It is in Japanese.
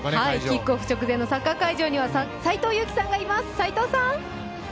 キックオフ直前のサッカー会場には斎藤佑樹さんがいます。